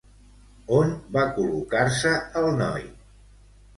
On va col·locar-se el noi?